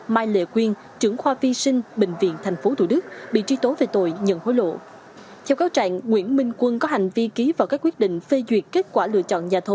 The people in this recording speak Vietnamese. mai lệ quyên trưởng khoa vi sinh bệnh viện tp hcm bị truy tố về tội nhận hối lộ